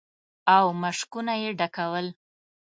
او مشکونه يې ډکول.